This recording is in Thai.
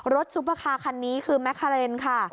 ซุปเปอร์คาร์คันนี้คือแมคาเรนค่ะ